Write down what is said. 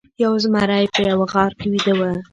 یو زمری په یوه غار کې ویده و.